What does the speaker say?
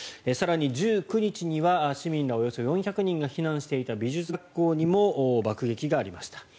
更に１９日には、市民らおよそ４００人が避難していた美術学校にも爆撃がありました。